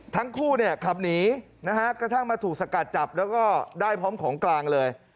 ทั้งคู่เนี่ยขับหนีนะฮะกระทั่งมาถูกสกัดจับแล้วก็ได้พร้อมของกลางเลย